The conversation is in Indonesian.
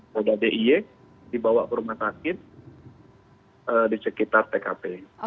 dan juga oleh kota diyek dibawa ke rumah sakit di sekitar tkp